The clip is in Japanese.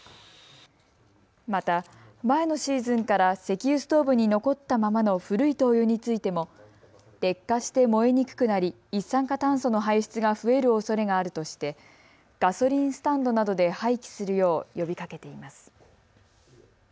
また、前のシーズンから石油ストーブに残ったままの古い灯油についても劣化して燃えにくくなり、一酸化炭素の排出が増えるおそれがあるとしてガソリンスタンドなどで廃棄するよう呼びかけています。